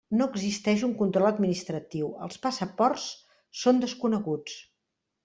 No existeix un control administratiu; els passaports són desconeguts.